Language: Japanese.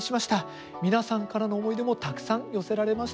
皆さんからの思い出もたくさん寄せられましたよ。